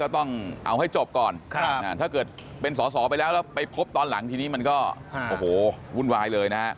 ที่นี้มันก็วุ่นวายเลย